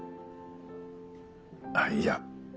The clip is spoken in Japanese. あっいや。